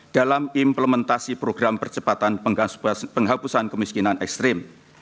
dalam implementasi program percepatan penghapusan kemiskinan ekstrim